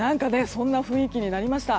そんな雰囲気になりました。